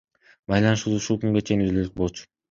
Байланышыбыз ушул күнгө чейин үзүлө элек болчу.